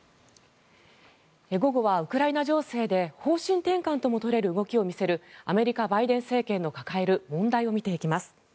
午後はウクライナ情勢で方針転換とも取れる動きを見せるアメリカ、バイデン政権の抱える問題を見ていきます。